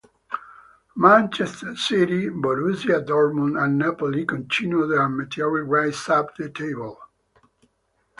Manchester City, Borussia Dortmund and Napoli continued their meteoric rises up the table.